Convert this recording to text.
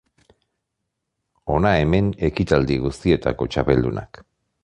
Hona hemen ekitaldi guztietako txapeldunak.